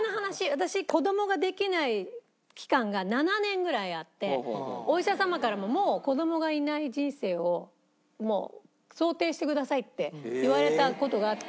私子供ができない期間が７年ぐらいあってお医者様からも「もう子供がいない人生を想定してください」って言われた事があって。